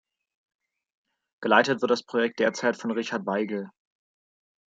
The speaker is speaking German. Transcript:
Geleitet wird das Projekt derzeit von Richard Weigel.